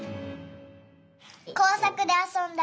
こうさくであそんだり。